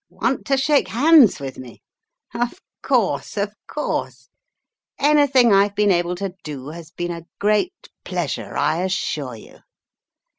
"Want to shake hands with me? Of course, of course. Anything I've been able to do has been a great pleasure, I assure you.